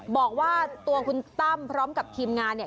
บอกว่าตัวคุณตั้มพร้อมกับทีมงานเนี่ย